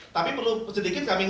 tapi perlu sedikit kami